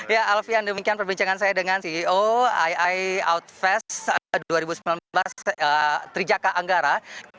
ya alfian demikian perbincangan saya dengan ceo ii outfest dua ribu sembilan belas trijaka anggara